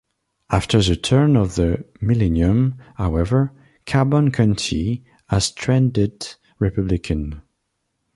After the turn of the millennium, however, Carbon County has trended Republican.